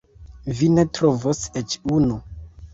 Vi ne trovos eĉ unu.